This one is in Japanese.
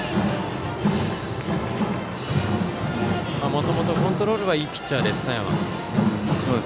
もともとコントロールがいいピッチャーです、佐山。